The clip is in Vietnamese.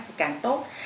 thì càng tốt